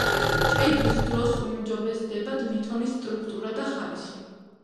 ჭედვის დროს უმჯობესდება ლითონის სტრუქტურა და ხარისხი.